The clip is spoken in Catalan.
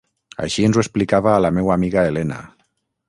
Així ens ho explicava a la meua amiga Elena.